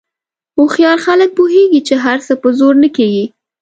هوښیار خلک پوهېږي چې هر څه په زور نه کېږي.